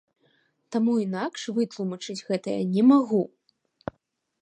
Таму інакш вытлумачыць гэта я не магу.